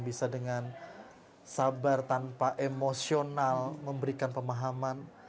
bisa dengan sabar tanpa emosional memberikan pemahaman